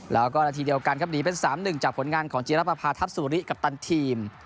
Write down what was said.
แล้วก็นาทีเดียวกันครับหนีเป็น๓๑จากผลงานของจีรปภาทัพสุริกัปตันทีม